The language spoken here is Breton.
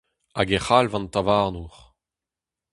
Hag e c'halv an Tavarnour.